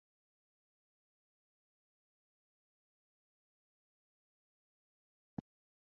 The Isle of Wight is a popular holiday destination.